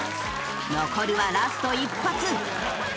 残りはラスト１発。